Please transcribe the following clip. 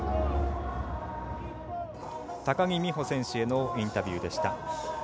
高木美帆選手へのインタビューでした。